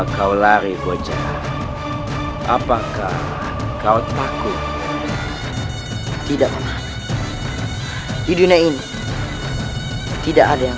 kalau terjadi sesuatu pada dirimu bagaimana